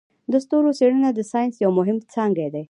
د ستورو څیړنه د ساینس یو مهم څانګی دی.